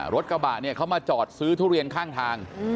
รถกระบะเนี่ยเขามาจอดซื้อทุเรียนข้างทาง